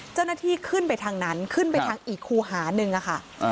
เจ้าหน้าที่ขึ้นไปทางนั้นทางอีกคู่หาหนึ่งค่ะเอ่อ